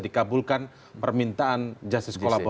dikabulkan permintaan justice